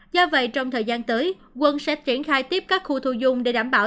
do vậy trong thời gian tới quân sẽ triển khai tiếp các khu thu dung để đảm bảo